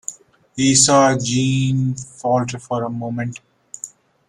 He saw Jeanne falter for a moment.